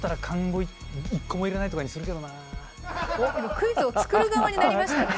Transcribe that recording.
クイズを作る側になりましたね。